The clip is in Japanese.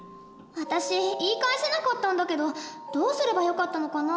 私言い返せなかったんだけどどうすればよかったのかな？